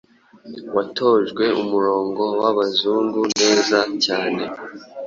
watojwe umurongo w'Abazungu neza cyane.